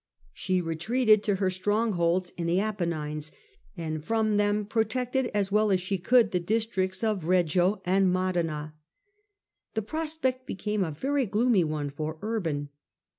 She retreated to her strongholds in the Apennines, and from them protected, as well as she could, the districts of Beggio and Modena. The prospect became a very gloomy one for Urban.